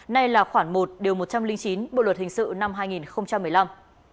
nay là khoảng một điều một trăm linh chín bộ luật hình sự năm hai nghìn một mươi năm